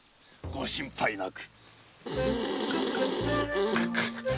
ご心配なく。